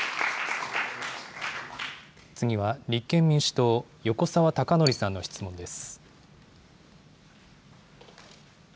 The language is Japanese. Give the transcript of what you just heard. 次は立憲民主党、横沢高徳さんの質問です。